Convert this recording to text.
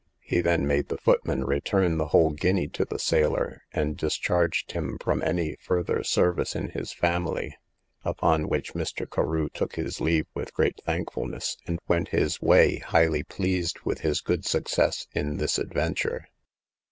He then made the footman return the whole guinea to the sailor, and discharged him from any further service in his family; upon which Mr. Carew took his leave with great thankfulness, and went his way, highly pleased with his good success in this adventure.